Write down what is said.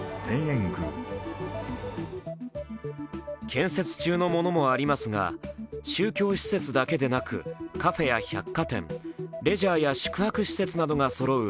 建設中のものもありますが宗教施設だけでなくカフェや百貨店、レジャーや宿泊施設などがそろう